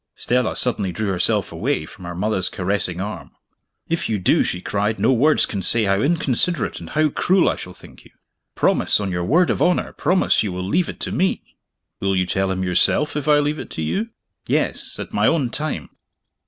Stella suddenly drew herself away from her mother's caressing arm. "If you do," she cried, "no words can say how inconsiderate and how cruel I shall think you. Promise on your word of honor promise you will leave it to me!" "Will you tell him, yourself if I leave it to you?" "Yes at my own time.